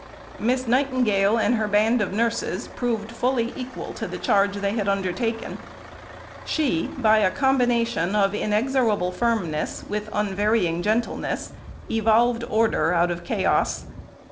Miss Nightingale and her band of nurses proved fully equal to the charge they had undertaken. She, by a combination of inexorable firmness with unvarying gentleness, evolved order out of chaos.